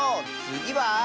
つぎは。